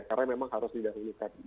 karena memang harus didahulukan